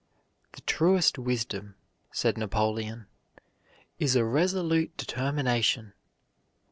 "The truest wisdom," said Napoleon, "is a resolute determination."